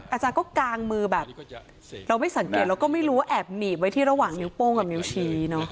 อาจารย์ก็กางมือแบบเราไม่สังเกตเราก็ไม่รู้ว่าแอบหนีบไว้ที่ระหว่างนิ้วโป้งกับนิ้วชี้